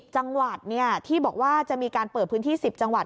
จังหวัดที่บอกว่าจะมีการเปิดพื้นที่๑๐จังหวัด